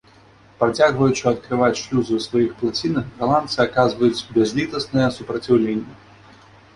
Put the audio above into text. Працягваючы адкрываць шлюзы ў сваіх плацінах, галандцы аказваюць бязлітаснае супраціўленне.